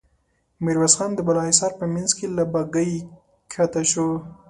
ميرويس خان د بالا حصار په مينځ کې له بګۍ کښته شو.